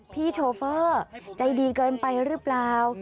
โชเฟอร์ใจดีเกินไปหรือเปล่า